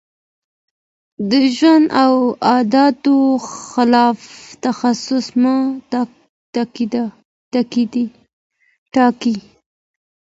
د ژوند او عاداتو خلاف تخلص مه ټاکئ.